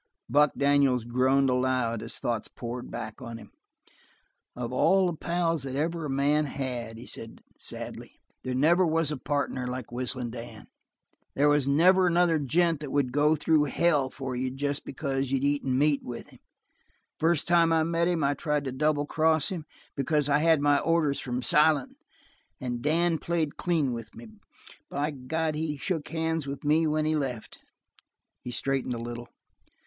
Buck Daniels groaned aloud as thoughts poured back on him. "Of all the pals that ever a man had," he said sadly, "there never was a partner like Whistlin' Dan. There was never another gent that would go through hell for you jest because you'd eaten meat with him. The first time I met him I tried to double cross him, because I had my orders from Silent. And Dan played clean with me by God, he shook hands with me when he left." He straightened a little.